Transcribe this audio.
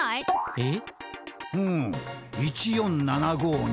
えっ！